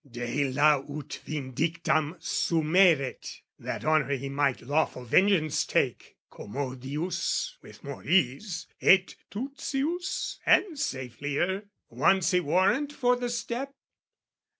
Deilla ut vindictam sumeret, That on her he might lawful vengeance take, Commodius, with more ease, et tutius, And safelier: wants he warrant for the step?